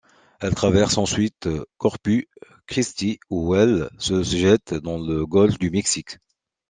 Elle traverse ensuite Corpus Christi où elle se jette dans le golfe du Mexique.